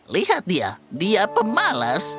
lihat dia dia pemalas